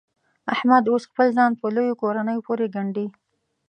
احمد اوس خپل ځان په لویو کورنیو پورې ګنډي.